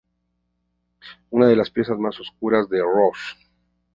Una de las piezas más oscuras de Rush.